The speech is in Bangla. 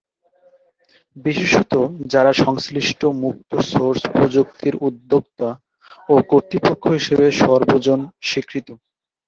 বিশেষত যারা সংশ্লিষ্ট মুক্ত সোর্স প্রযুক্তির উদ্যোক্তা ও কর্তৃপক্ষ হিসেবে সর্বজন স্বীকৃত।